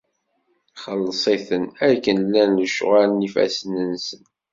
Xelleṣ-iten akken llan lecɣal n yifassen-nsen.